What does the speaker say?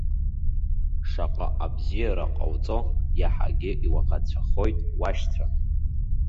Шаҟа абзиара ҟауҵо, иаҳагьы иуаӷацәахоит уашьцәа!